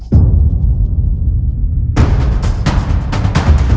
ตอนที่สุดมันกลายเป็นสิ่งที่ไม่มีความคิดว่า